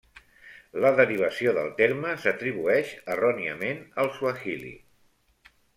La derivació del terme s'atribueix erròniament al suahili.